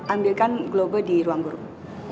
ambilkan globo di ruang burung